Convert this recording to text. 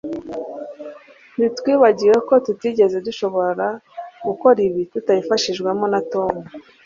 ntitwibagirwe ko tutigeze dushobora gukora ibi tutabifashijwemo na tom